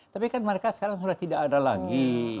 tapi kan mereka sekarang sudah tidak ada lagi